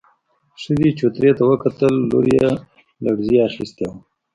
ښځې چوترې ته وکتل، لور يې لړزې اخيستې وه.